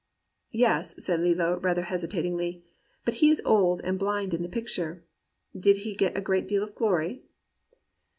" *Yes,' said Lillo, rather hesitatingly. *But he is old and blind in the picture. Did he get a great deal of glory